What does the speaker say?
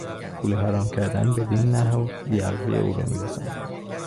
پول حرام کردن بدین نحو بی عقلی او را میرساند.